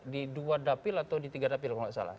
di dua dapil atau di tiga dapil kalau tidak salah